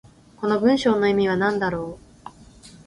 この文章の意味は何だろう。